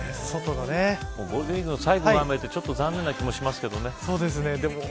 ゴールデンウイークの最後が雨って残念な気もしますけどね。